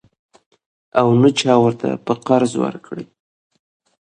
او نه چا ورته په قرض ورکړې.